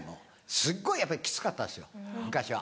すっごいやっぱりきつかったんですよ昔は。